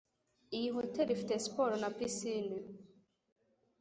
Iyi hoteri ifite siporo na pisine.